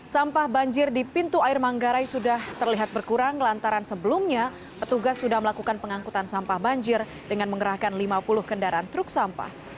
sampah banjir di pintu air manggarai sudah terlihat berkurang lantaran sebelumnya petugas sudah melakukan pengangkutan sampah banjir dengan mengerahkan lima puluh kendaraan truk sampah